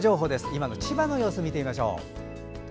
今の千葉の様子を見てみましょう。